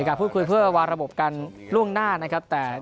มีการพูดคุยเพื่อบางระบบการร่วงหน้า